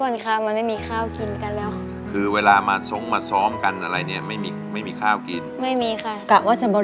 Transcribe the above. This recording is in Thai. นะครับ